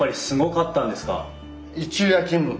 一昼夜勤務。